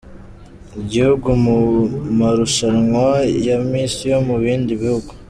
igihugu mu marushanwa ya Miss yo mu bindi bihugu.